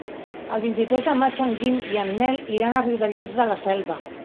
El vint-i-tres de maig en Guim i en Nel iran a Riudellots de la Selva.